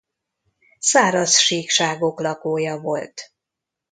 Száraz síkságok lakója volt.